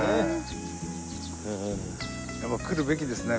やっぱ来るべきですね